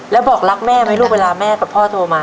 แล้วบอกรักแม่ไหมลูกเวลาแม่กับพ่อโทรมา